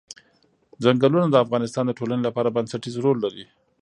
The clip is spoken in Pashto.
چنګلونه د افغانستان د ټولنې لپاره بنسټيز رول لري.